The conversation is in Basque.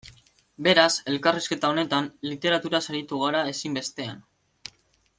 Beraz, elkarrizketa honetan, literaturaz aritu gara ezinbestean.